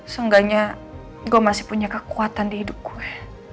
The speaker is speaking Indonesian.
sungguhnya gue masih punya kekuatan di hidup gue